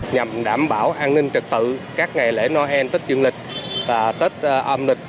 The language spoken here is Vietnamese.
nhằm đảm bảo an ninh trật tự các ngày lễ noel tết dương lịch và tết âm lịch